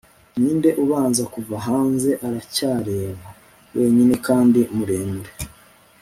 ninde ubanza kuva hanze aracyareba, wenyine kandi muremure